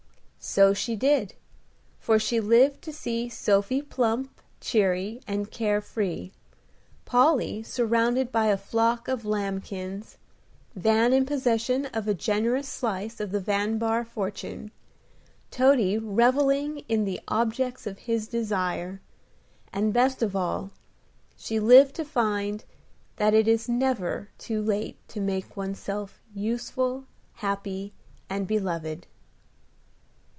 So she did; for she lived to see Sophy plump, cheery, and care free; Polly surrounded by a flock of Lambkins; Van in possession of a generous slice of the Van Bahr fortune; Toady revelling in the objects of his desire; and, best of all, she lived to find that it is never too late to make oneself useful, happy, and beloved.